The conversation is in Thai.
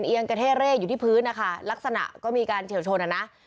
เอียงกระเท่เร่อยู่ที่พื้นนะคะลักษณะก็มีการเฉียวชนอ่ะนะ